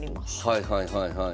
はいはいはいはい。